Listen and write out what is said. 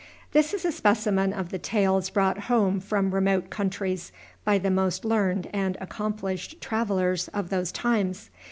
This is a specimen of the tales brought home from remote countries by the most learned and accomplished travelers of those times.